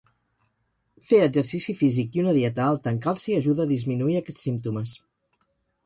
Fer exercici físic i una dieta alta en calci ajuda a disminuir aquests símptomes.